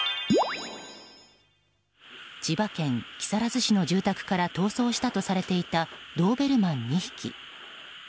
千葉県木更津市の住宅から逃走したとされていたドーベルマン２匹。